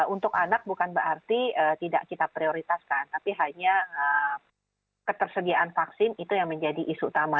untuk anak bukan berarti tidak kita prioritaskan tapi hanya ketersediaan vaksin itu yang menjadi isu utama